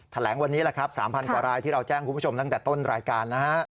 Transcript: แถลงวันนี้แหละครับ๓๐๐กว่ารายที่เราแจ้งคุณผู้ชมตั้งแต่ต้นรายการนะฮะ